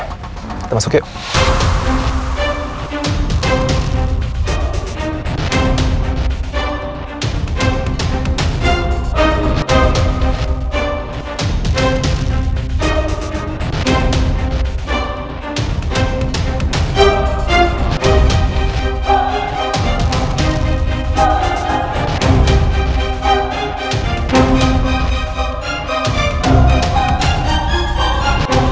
kita masuk yuk